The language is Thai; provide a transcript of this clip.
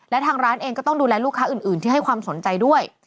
และทางร้านเองก็ต้องดูแลลูกค้าอื่นที่ให้ความสนใจด้วย